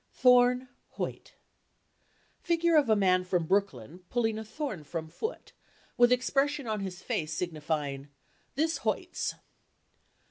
"Thorne Hoyt—figure of a man from Brooklyn pulling a thorn from foot with expression on his face signifying "This hoits."